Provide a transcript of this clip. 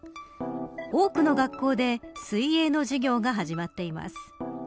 多くの学校で水泳の授業が始まっています。